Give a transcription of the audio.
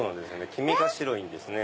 黄身が白いんですね。